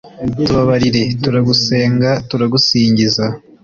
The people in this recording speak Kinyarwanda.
tubabarire, turagusenga turagusingiza